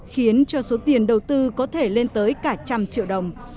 khiến cho số tiền đầu tư có thể lên tới cả trăm triệu đồng